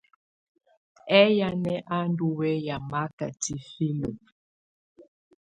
Ɛyanɛ̀ á ndù wɛ̀ya maka tifilǝ?